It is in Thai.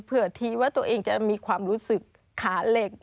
ทีว่าตัวเองจะมีความรู้สึกขาเหล็ก